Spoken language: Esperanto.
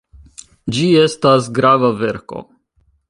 Ĝi estas grava verko.